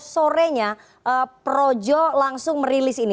sorenya projo langsung merilis ini